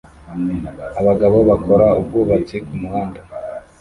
abagabo bakora ubwubatsi kumuhanda